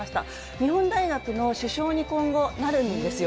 日本大学の主将に今後、なるんですよ。